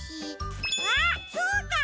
あっそうか！